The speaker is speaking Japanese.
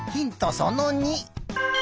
その２。